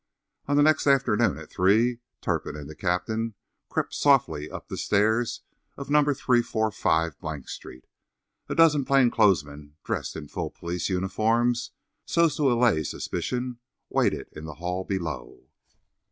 On the next afternoon at 3, Turpin and the captain crept softly up the stairs of No. 345 Blank Street. A dozen plain clothes men, dressed in full police uniforms, so as to allay suspicion, waited in the hall below.